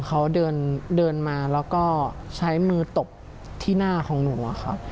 เขาเดินมาแล้วก็ใช้มือตบที่หน้าของหนูอะครับ